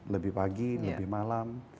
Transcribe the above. lebih pagi lebih malam